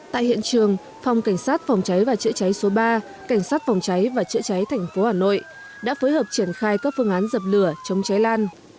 tại hiện trường phòng cảnh sát phòng cháy và chữa cháy số ba cảnh sát phòng cháy và chữa cháy thành phố hà nội đã phối hợp triển khai các phương án dập lửa chống cháy lan